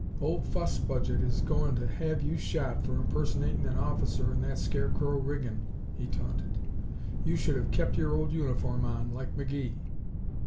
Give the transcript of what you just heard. "Old Fuss Budget is goin' to have you shot for impersonatin' an officer in that scarecrow riggin'," he taunted. "You should have kept your old uniform on, like McGee."